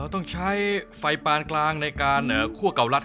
ต้องใช้ไฟปานกลางในการคั่วเก่ารัฐ